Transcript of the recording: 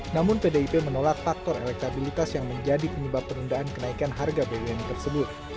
namun pdip menolak faktor elektabilitas yang menjadi penyebab penundaan kenaikan harga bbm tersebut